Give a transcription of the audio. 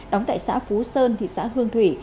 đóng tại xã phú sơn thị xã hương thủy